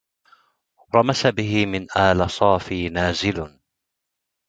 رمس به من آل صافي نازل